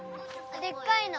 でっかいの。